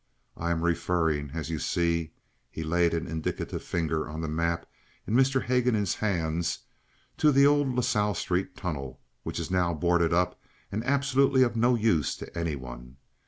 I am referring, as you see"—he laid an indicative finger on the map in Mr. Haguenin's hands—"to the old La Salle Street tunnel, which is now boarded up and absolutely of no use to any one.